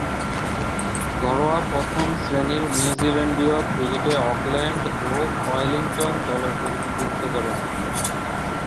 ঘরোয়া প্রথম-শ্রেণীর নিউজিল্যান্ডীয় ক্রিকেটে অকল্যান্ড ও ওয়েলিংটন দলের প্রতিনিধিত্ব করেন।